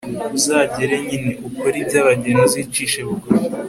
uzagere nyine, ukore iby'abageni, uzicishe bugufi